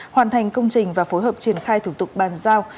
hoàn thành công trình và phối hợp triển khai thủ tục bàn giao